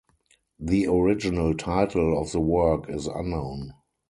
The original title of the work is unknown.